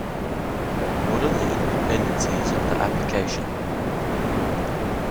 What are the interdependencies of the application?